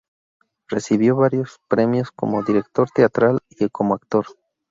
Recibió varios premios como director teatral y como actor.